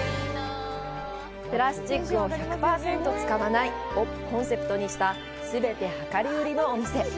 「プラスチックを１００％使わない」をコンセプトにした、全て量り売りのお店。